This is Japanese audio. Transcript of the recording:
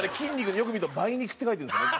よく見ると「梅肉」って書いてるんですね。